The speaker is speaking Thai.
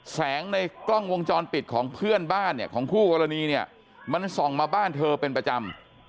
แสงในกล้องวงจรปิดของเพื่อนบ้านเนี่ยของคู่กรณีเนี่ยมันส่องมาบ้านเธอเป็นประจำ